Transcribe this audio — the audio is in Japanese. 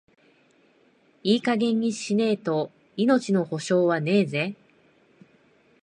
いい加減にしねえと、命の保証はねえぜ。